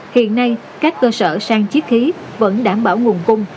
hiện nay các cơ sở sang chiếc khí vẫn đảm bảo nguồn cung